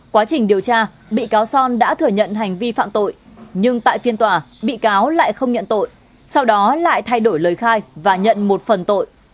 quá trình điều tra bị cáo son đã thừa nhận hành vi phạm tội nhưng tại phiên tòa bị cáo lại không nhận tội sau đó lại thay đổi lời khai và nhận một phần tội